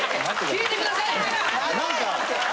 聞いてくださいよ！